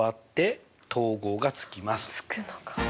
つくのか。